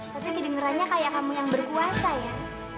tapi kedengerannya kayak kamu yang berkuasa ya